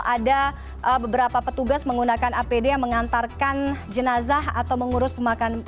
ada beberapa petugas menggunakan apd yang mengantarkan jenazah atau mengurus pemakaman